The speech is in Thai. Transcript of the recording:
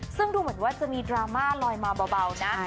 ซึ่งดูเหมือนว่าจะมีดราม่าลอยมาเบานะ